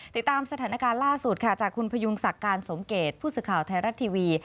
ติดตามสถานการณ์ล่าสุดค่ะจากคุณพยุงศักดิ์การสมเกตผู้สื่อข่าวไทยรัฐทีวี